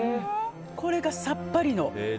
これがさっぱりの。